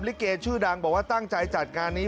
ลิเกชื่อดังบอกว่าตั้งใจจัดงานนี้